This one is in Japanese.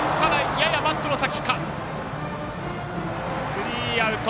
スリーアウト。